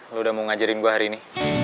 lo udah mau ngajarin gue hari ini